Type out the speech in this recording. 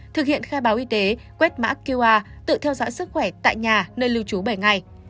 thực hiện khai báo y tế quét mã qr tự theo dõi sức khỏe tại nhà nơi lưu trú bảy ngày